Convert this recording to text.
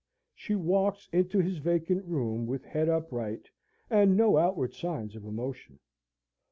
She walks into his vacant room, with head upright, and no outward signs of emotion.